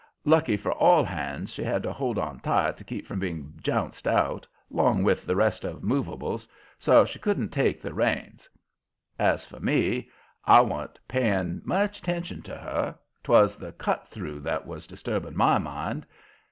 Lucky for all hands, she had to hold on tight to keep from being jounced out, 'long with the rest of movables, so she couldn't take the reins. As for me, I wa'n't paying much attention to her 'twas the Cut Through that was disturbing MY mind.